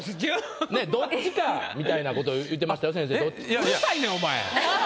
どっちかみたいなことを言うてましたよ先生。なぁ！